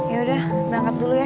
yaudah berangkat dulu ya